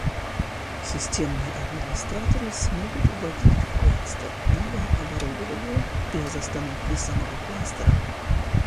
Системные администраторы смогут вводить в кластер новое оборудование без остановки самого кластера